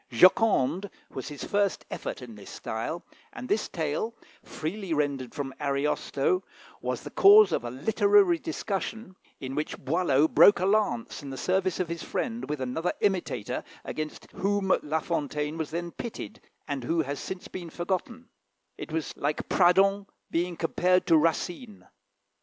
"Joconde" was his first effort in this style; and this tale, freely rendered from Ariosto, was the cause of a literary discussion, in which Boileau broke a lance in the service of his friend with another imitator against whom La Fontaine was then pitted, and who has since been forgotten: it was like Pradon being compared to Racine.